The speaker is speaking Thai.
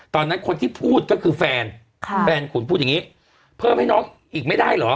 ตอนนั้นคนที่พูดก็คือแฟนแฟนขุนพูดอย่างนี้เพิ่มให้น้องอีกไม่ได้เหรอ